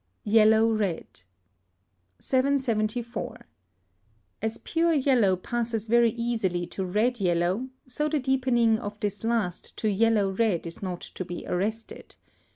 YELLOW RED. 774. As pure yellow passes very easily to red yellow, so the deepening of this last to yellow red is not to be arrested.